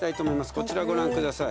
こちらご覧ください。